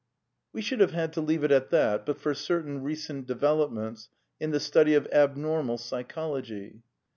We should have had to leave it at that but for certain recent developments in the study of abnormal psychology.